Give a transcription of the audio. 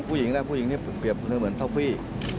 ผู้หญิงล่ะผู้หญิงพูดเหมือนท่อฟรี